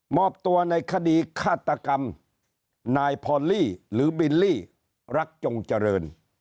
อบตัวในคดีฆาตกรรมนายพรลี่หรือบิลลี่รักจงเจริญ